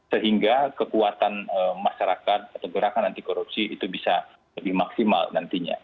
sehingga kekuatan masyarakat atau gerakan anti korupsi itu bisa lebih maksimal nantinya